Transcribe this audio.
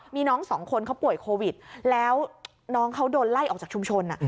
มีน้องสองคนเขาป่วยโควิดแล้วน้องเขาโดนไล่ออกจากชุมชน